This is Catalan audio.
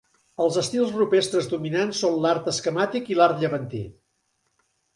Els estils rupestres dominants són l'art esquemàtic i l'art llevantí.